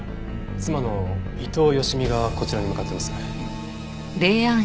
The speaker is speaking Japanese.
妻の伊藤佳美がこちらに向かってます。